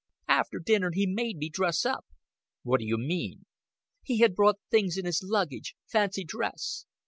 "After dinner he made me dress up." "What d'you mean?" "He had brought things in his luggage fancy dress."